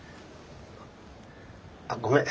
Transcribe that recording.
あっごめん。